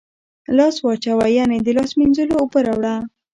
لاس واچوه ، یعنی د لاس مینځلو اوبه راوړه